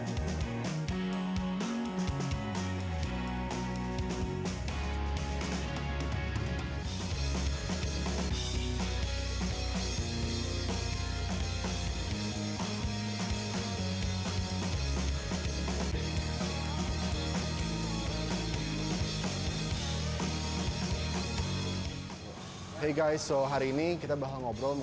hey guys so hari ini kita bakal ngobrol mengenai perbedaan antara freeweight training dan resistance machine training